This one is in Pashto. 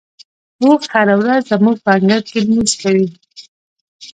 اوښ هره ورځ زموږ په انګړ کې لمونځ کوي.